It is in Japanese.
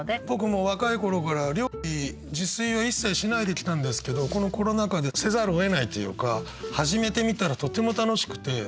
僕も若い頃から料理自炊は一切しないできたんですけどこのコロナ禍でせざるをえないというか始めてみたらとても楽しくて。